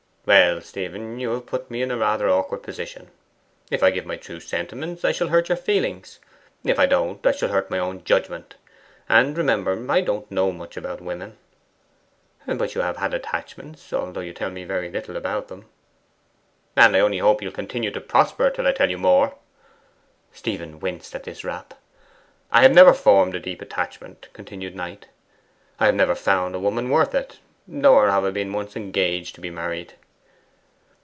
'Well, Stephen, you have put me in rather an awkward position. If I give my true sentiments, I shall hurt your feelings; if I don't, I shall hurt my own judgment. And remember, I don't know much about women.' 'But you have had attachments, although you tell me very little about them.' 'And I only hope you'll continue to prosper till I tell you more.' Stephen winced at this rap. 'I have never formed a deep attachment,' continued Knight. 'I never have found a woman worth it. Nor have I been once engaged to be married.